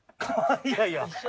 いやいや。